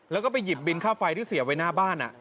แล้วก็ไปหยิบบินค่าไฟที่เสียไว้หน้าบ้าน